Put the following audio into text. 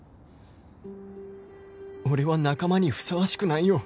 「俺は仲間にふさわしくないよ」